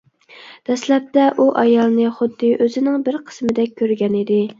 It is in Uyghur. دەسلەپتە ئۇ ئايالنى خۇددى ئۆزىنىڭ بىر قىسمىدەك كۆرگەنىدى.